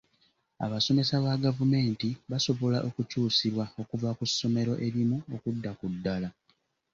Abasomesa ba gavumenti basobola okukyusibwa okuva ku ssomero erimu okudda ku ddala.